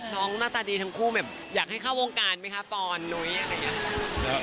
ภาษาดีทั้งคู่แบบอยากให้เข้าวงการมั้ยคะปอนด์นุ้ยอย่างนี้